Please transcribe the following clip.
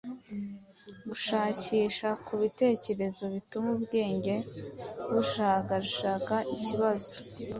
Gushakisha mu bitekerezo bituma ubwenge bujagajaga ikibazo